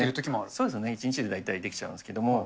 そうですね、大体１日で出来ちゃうんですけども。